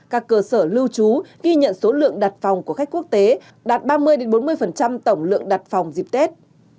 các cơ sở lưu trú ghi nhận số lượng đặt phòng của khách quốc tế đạt ba mươi bốn mươi tổng lượng đặt phòng dịp tết